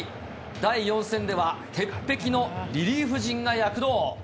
第４戦では、鉄壁のリリーフ陣が躍動。